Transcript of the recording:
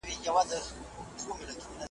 ارغوان پر سرو لمنو د کابل درته لیکمه .